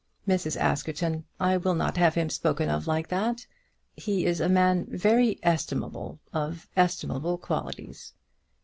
"Mrs. Askerton, I will not have him spoken of like that. He is a man very estimable, of estimable qualities."